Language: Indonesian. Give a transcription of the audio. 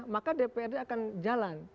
maka dprd akan jalan